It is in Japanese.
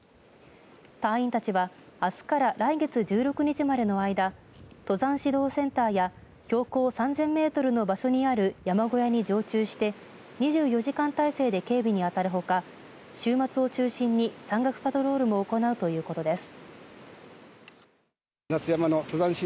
隊員たちは、あすから来月１６日までの間登山指導センターや標高３０００メートルの場所にある山小屋に常駐して２４時間態勢で警備に当たるほか週末を中心に、山岳パトロールも行うということです。